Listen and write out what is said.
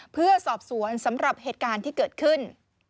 เพื่อสอบสวนสำหรับเหตุการณ์ที่เกิดขึ้น